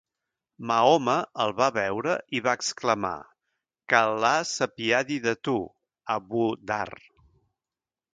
Mahoma el va veure i va exclamar "Que Al·là s'apiadi de tu, Abu-Dharr!".